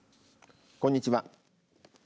こんにちは。